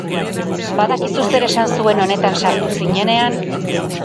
Badakizu zer esan zuen honetan sartu zinenean?